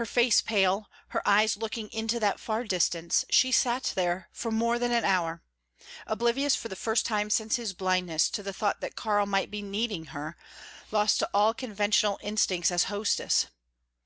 Her face pale, her eyes looking into that far distance, she sat there for more than an hour, oblivious for the first time since his blindness to the thought that Karl might be needing her, lost to all conventional instincts as hostess.